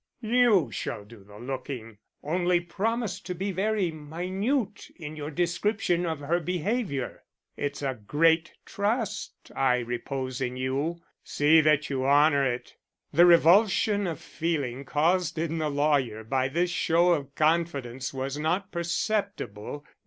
You shall do the looking, only promise to be very minute in your description of her behavior. It's a great trust I repose in you. See that you honor it." The revulsion of feeling caused in the lawyer by this show of confidence was not perceptible.